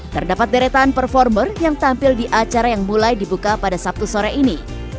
terdapat deretan performer yang tampil di acara yang mulai dibuka pada sabtu sore ini